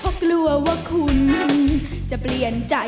เพราะกลัวว่าคุณจะเปลี่ยนใจ